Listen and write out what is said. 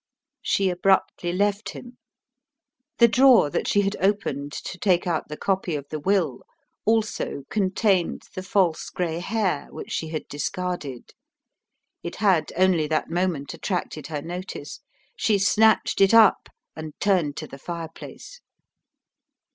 She abruptly left him. The drawer that she had opened to take out the copy of the will also contained the false gray hair which she had discarded. It had only that moment attracted her notice. She snatched it up and turned to the fireplace.